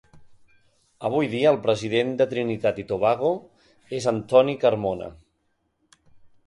Avui dia, el president de Trinitat i Tobago és Anthony Carmona.